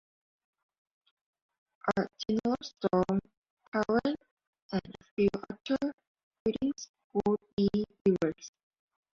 A general store, tavern, and a few other buildings would be erected.